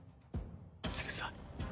するさ。